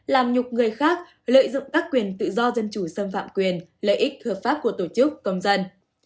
làm nhục người khác lợi dụng các quyền tự do dân chủ xâm phạm quyền lợi ích hợp pháp của tổ chức công dân